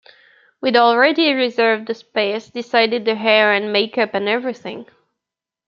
We'd already reserved the space, decided the hair and makeup and everything.